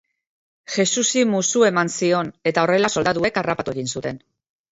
Jesusi musu eman zion, eta horrela soldaduek harrapatu egin zuten.